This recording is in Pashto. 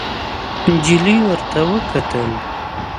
نجلۍ ورته وکتل.